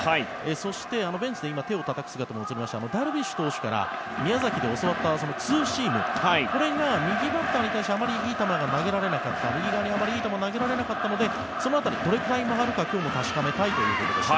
そしてベンチで手をたたく姿も映りましたダルビッシュ投手から宮崎で教わったツーシームが右バッターに対してあまりいい球が投げられなかった右側にあまりいい球を投げられなかったのでその辺りどれくらい曲がるか今日確かめたいということでした。